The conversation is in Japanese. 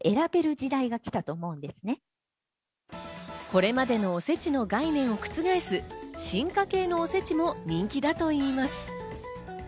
これまでのおせちの概念を覆す、進化系のおせちも人気だといいます。